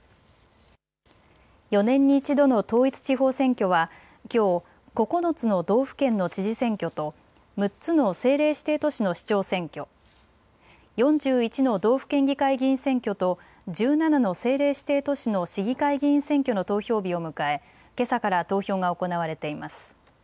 ４年に一度の統一地方選挙はきょう９つの道府県の知事選挙と６つの政令指定都市の市長選挙、４１の道府県議会議員選挙と１７の政令指定都市の市議会議員選挙の投票日を迎えけさから投票が行われています。